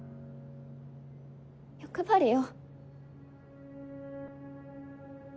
欲張りよ。